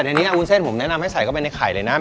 อันนี้วุ้นเส้นผมแนะนำให้ใส่เข้าไปในไข่เลยนะ